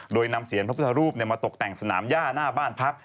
โดยนำเสียนพระพุทธรูปมาตกแต่งสนามย่าหน้าบ้านพัก